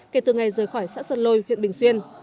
kể từ ngày rời khỏi xã sơn lôi huyện bình xuyên